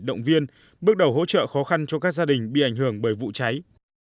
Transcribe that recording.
động viên bước đầu hỗ trợ khó khăn cho các gia đình bị ảnh hưởng bởi vụ cháy